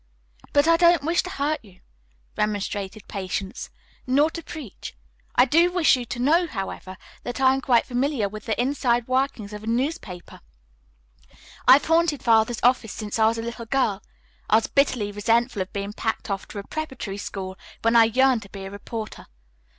"But I don't wish to hurt you," remonstrated Patience, "nor to preach. I do wish you to know, however, that I am quite familiar with the inside workings of a newspaper. I have haunted Father's office since I was a little girl. I was bitterly resentful of being packed off to a preparatory school when I yearned to be a reporter.